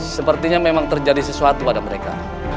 sepertinya memang terjadi sesuatu pada mereka